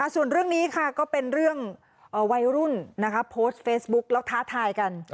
ส่วนเรื่องนี้ค่ะก็เป็นเรื่องวัยรุ่นโพสต์เฟซบุ๊กแล้วท้าทายกัน